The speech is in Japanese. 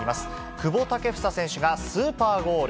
久保建英選手がスーパーゴール。